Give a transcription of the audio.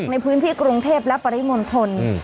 ในพื้นที่กรุงเทพและปริมณฑล